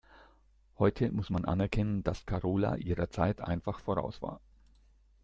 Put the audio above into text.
Heute muss man anerkennen, dass Karola ihrer Zeit einfach voraus war.